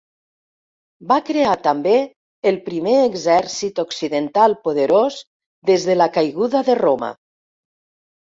Va crear també el primer exèrcit occidental poderós des de la caiguda de Roma.